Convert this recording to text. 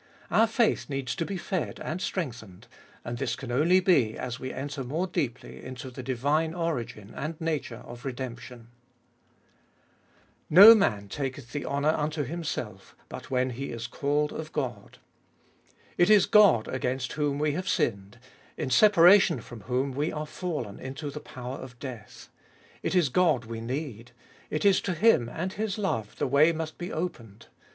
Our faith needs to be fed and strengthened, and this can only be as we enter more deeply into the divine origin and nature of redemption. 180 Cbe holiest of ail No man taketh the honour unto himself, but when he is called of God. It is God against whom we have sinned, in separation from whom we are fallen into the power of death. It is God we need ; it is to Him and His love the way must be opened.